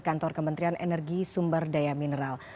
kantor kementerian energi sumber daya mineral